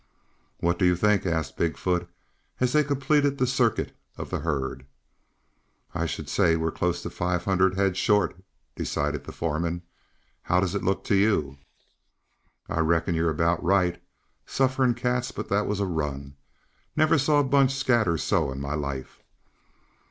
"What do you think?" asked Big foot as they completed the circuit of the herd. "I should say we were close to five hundred head short," decided the foreman. "How does it look to you?" "I reckon you're about right. Suffering cats, but that was a run! Never saw a bunch scatter so in my life."